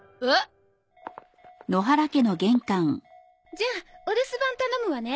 じゃあお留守番頼むわね。